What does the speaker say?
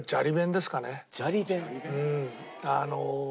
あの。